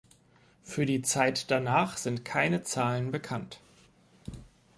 Für die Zeit danach sind keine Zahlen bekannt.